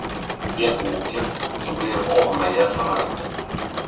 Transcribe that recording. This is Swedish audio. Det är en åker, som blev avmejad förra vintern.